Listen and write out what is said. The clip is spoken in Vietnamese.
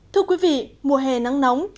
thưa quý vị mùa hè nắng nóng